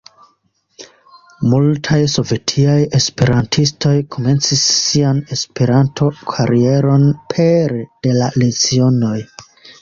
Multaj sovetiaj esperantistoj komencis sian Esperanto-karieron pere de la lecionoj.